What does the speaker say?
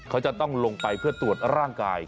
เขาจะต้องลงไปเพื่อตรวจร่างกาย